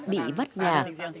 bị bắt nhà